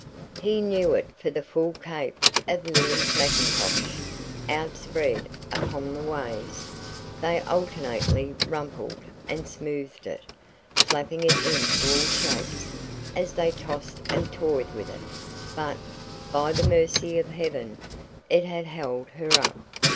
He knew it for the full cape of Lily's macintosh, outspread upon the waves. They alternately rumpled and smoothed it, flapping it into all shapes as they tossed and toyed with it; but, by the mercy of Heaven, it had held her up.